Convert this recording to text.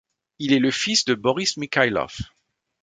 Il est le fils de Boris Mikhaïlov.